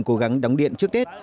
cố gắng đóng điện trước tết